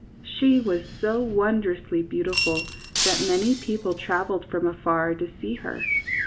^ She was so wondrously beautiful that many people traveled from afar to see her.